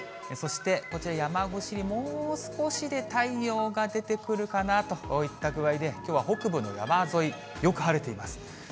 そしてこちら、山越しにもう少しで太陽が出てくるかなといった具合で、きょうは北部の山沿い、よく晴れています。